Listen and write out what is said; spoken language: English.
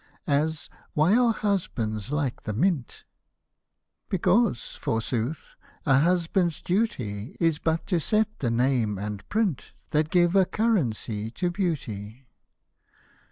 As —" Why are husbands like the mint ?'' Because, forsooth, a husband's duty Is but to set the name and print That give a currency to beauty.